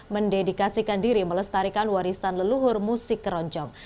mendedikasikan diri melestarikan warisan leluhur musik keroncong